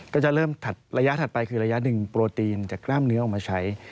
ก็จะเริ่มถัดระยะถัดไปคือระยะหนึ่งโปรตีนจากกล้ามเนื้อออกมาใช้